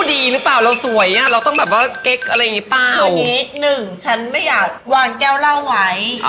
นี่เดี๋ยวเข้าไปเบอร์เอานี่